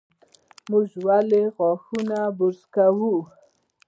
موږ ولې غاښونه برس کوو؟